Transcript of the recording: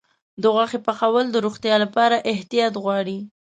د غوښې پخول د روغتیا لپاره احتیاط غواړي.